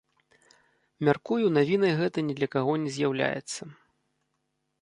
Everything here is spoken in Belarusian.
Мяркую, навіной гэта ні для каго не з'яўляецца.